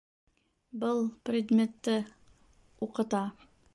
Был предметты... уҡыта